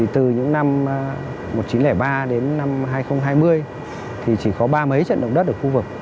từ những năm một nghìn chín trăm linh ba đến năm hai nghìn hai mươi chỉ có ba mấy trận động đất ở khu vực